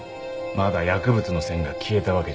まだ薬物の線が消えたわけじゃありません。